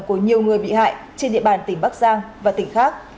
của nhiều người bị hại trên địa bàn tỉnh bắc giang và tỉnh khác